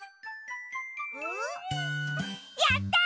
やった！